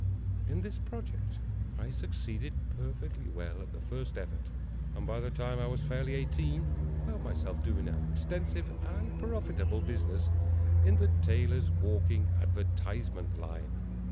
In this project I succeeded perfectly well at the first effort, and by the time I was fairly eighteen, found myself doing an extensive and profitable business in the Tailor's Walking Advertisement line.